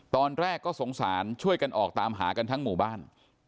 ตอนแรกก็สงสารช่วยกันออกตามหากันทั้งหมู่บ้าน